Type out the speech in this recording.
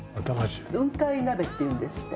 雲海鍋っていうんですって。